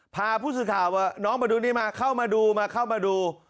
พาผู้สื่อข่าวน้องมาดูนี่มาเข้ามาดูมาเข้ามาดู